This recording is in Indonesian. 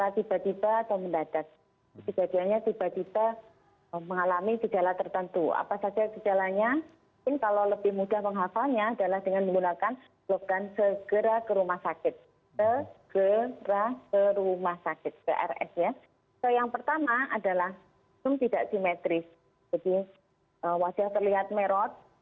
tidak simetris jadi wajah terlihat merot